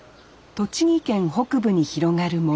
栃木県北部に広がる森。